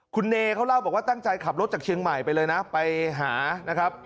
คุณเนเขาเล่าบอกว่าตั้งใจขับรถจากเชียงใหม่ไปเลยนะไปหานะครับ